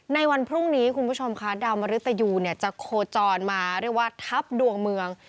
ในวันพรุ่งนี้คุณผู้ชมค่ะดาวมริตยูจะโคจรมาเรียกว่าทัพดวงเมือง